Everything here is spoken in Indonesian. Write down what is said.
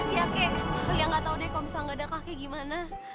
kakek lia gak tau deh kalau misalnya gak ada kakek gimana